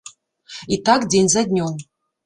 І так дзень за днём.